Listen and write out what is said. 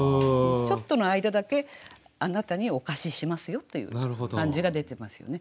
ちょっとの間だけあなたにお貸ししますよという感じが出てますよね。